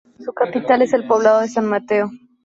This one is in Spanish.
Su capital es el poblado de San Mateo.